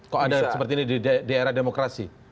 kok ada seperti ini di era demokrasi